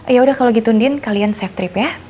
yaudah kalau gitu andien kalian safe trip ya